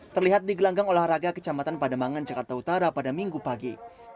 terlihat di gelanggang olahraga kecamatan pademangan jakarta utara pada minggu pagi